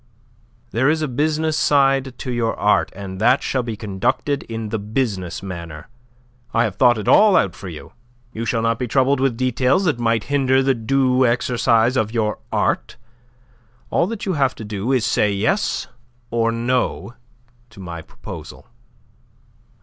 "There is a business side to your art, and that shall be conducted in the business manner. I have thought it all out for you. You shall not be troubled with details that might hinder the due exercise of your art. All that you have to do is to say yes or no to my proposal."